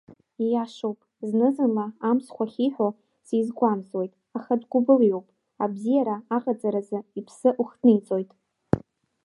Ииашоуп, зны-зынла амцхә ахьиҳәо сизгәамҵуеит, аха дгәыбылҩуп, абзиара аҟаҵаразы иԥсы ухҭниҵоит.